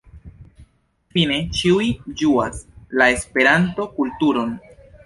Fine ĉiuj ĝuas la Esperanto-kulturon.